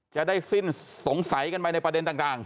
จะได้สิ้นสงสัยกันไปในประเด็นต่าง